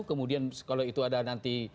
kemudian kalau itu ada nanti